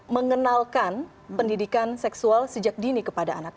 mengenalkan pendidikan seksual sejak dini kepada anak